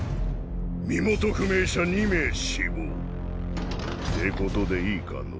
身元不明者２名死亡。ってことでいいかの。